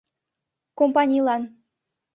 Компанийлан.